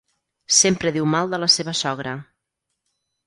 Sempre diu mal de la seva sogra.